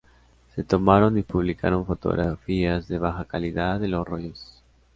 Se tomaron y publicaron fotografías de baja calidad de los rollos.